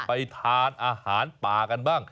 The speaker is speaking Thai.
ไปทานอาหารป่ากันบ้าง